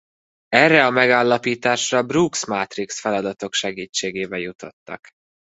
Erre a megállapításra Brooks-mátrix feladatok segítségével jutottak.